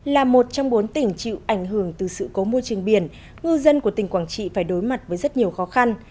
là một trong bốn tỉnh chịu ảnh hưởng từ sự cố môi trường biển ngư dân của tỉnh quảng trị phải đối mặt với rất nhiều khó khăn